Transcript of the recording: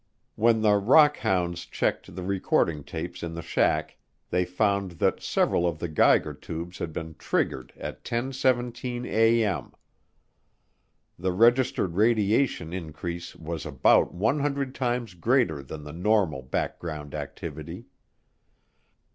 When the "rock hounds" checked the recording tapes in the shack they found that several of the Geiger tubes had been triggered at 10:17A.M. The registered radiation increase was about 100 times greater than the normal background activity.